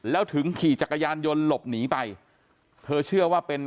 แล้วถึงขี่จักรยานยนต์หลบหนีไปเธอเชื่อว่าเป็น